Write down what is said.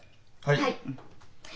はい。